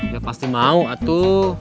ya pasti mau atu